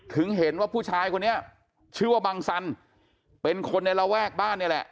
ถึงเห็นว่าผู้ชายคนนี้ชื่อว่าบังสันเป็นคนในระแวกบ้านนี่แหละ